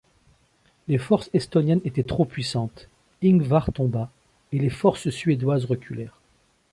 Les forces estoniennes étaient trop puissantes, Ingvar tomba, et les forces suédoises reculèrent.